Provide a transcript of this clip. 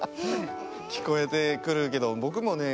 きこえてくるけどぼくもね